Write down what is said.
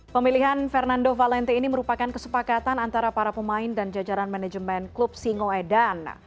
pemilihan fernando valente ini merupakan kesepakatan antara para pemain dan jajaran manajemen klub singoedan